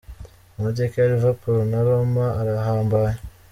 Amateka ya Liverpool na Roma arahambaye.